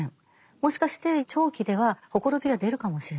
もしかして長期ではほころびが出るかもしれない。